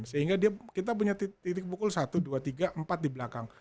sehingga kita punya titik pukul satu dua tiga empat di belakang